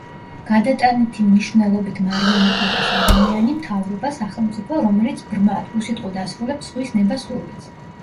გადატანითი მნიშვნელობით მარიონეტი არის ადამიანი, მთავრობა, სახელმწიფო, რომელიც ბრმად, უსიტყვოდ ასრულებს სხვის ნება სურვილს.